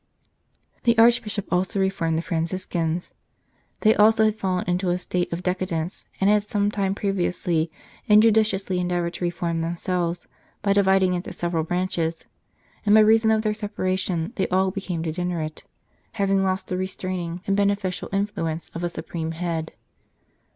The Archbishop also reformed the Franciscans. They also had fallen into a state of decadence, and had some time previously injudiciously endeavoured to reform themselves by dividing into several branches ; and by reason of their separation, they all became degenerate, having lost the restraining and beneficial influence of a supreme head.